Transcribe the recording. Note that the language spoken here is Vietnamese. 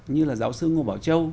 như là giáo sư ngô bảo châu